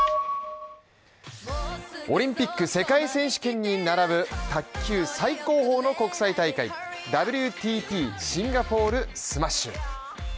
オリンピック、世界選手権に並ぶ卓球最高峰の国際大会ＷＴＴシンガポールスマッシュ。